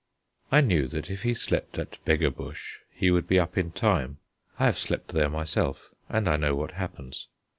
I knew that if he slept at "Beggarbush" he would be up in time; I have slept there myself, and I know what happens.